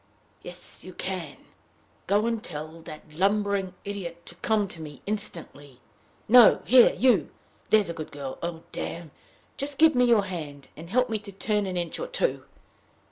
"Yes, you can. Go and tell that lumbering idiot to come to me instantly. No! here, you! there's a good girl! Oh, damn! Just give me your hand, and help me to turn an inch or two."